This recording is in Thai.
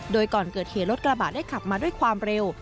โดยก่อนเกิดเหตุรถกระบะได้ขับมาด้วยความเร็ว